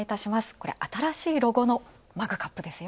これ、新しいロゴのマグカップですよ。